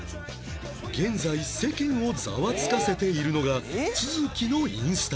現在世間をざわつかせているのが「え？」